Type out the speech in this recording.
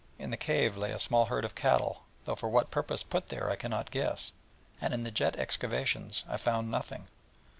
In the cave lay a small herd of cattle, though for what purpose put there I cannot guess; and in the jet excavations I found nothing.